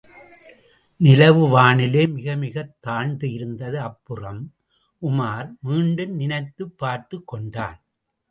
நிலவு வானிலே மிகமிகத் தாழ்ந்து இருந்தது. அப்புறம்? உமார் மீண்டும் நினைத்துப் பார்த்துக் கொண்டான்.